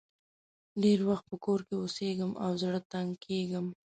ډېری وخت په کور کې اوسېږم او زړه تنګ کېږم.